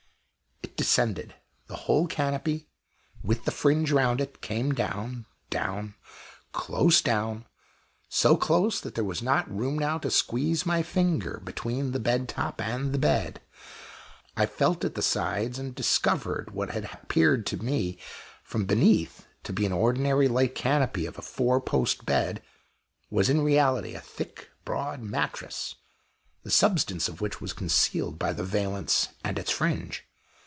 It descended the whole canopy, with the fringe round it, came down down close down; so close that there was not room now to squeeze my finger between the bed top and the bed. I felt at the sides, and discovered that what had appeared to me from beneath to be the ordinary light canopy of a four post bed was in reality a thick, broad mattress, the substance of which was concealed by the valance and its fringe.